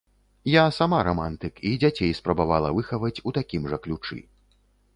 Я сама рамантык, і дзяцей спрабавала выхаваць у такім жа ключы.